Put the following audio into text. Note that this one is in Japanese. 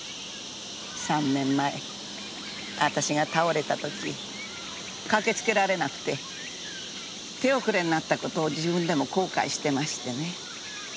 ３年前私が倒れた時駆けつけられなくて手遅れになった事を自分でも後悔してましてね。